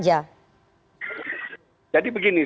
jadi begini saya tidak mau menangkan